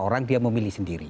sekarang dia memilih sendiri